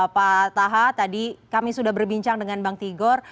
pak taha tadi kami sudah berbincang dengan bang tigor